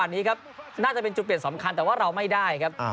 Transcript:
นี้ครับน่าจะเป็นจุดเปลี่ยนสำคัญแต่ว่าเราไม่ได้ครับ